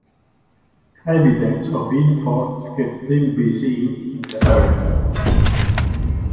Evidence of hill forts can still be seen in the area.